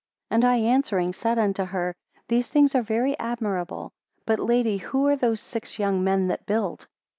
43 And I answering, said unto her, These things are very admirable; but, lady, who are those six young men that build?